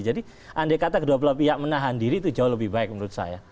jadi andai kata kedua belah pihak menahan diri itu jauh lebih baik menurut saya